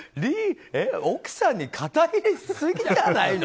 奥さんに肩入れしすぎじゃないの。